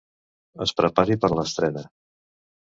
Es prepari per a l'estrena.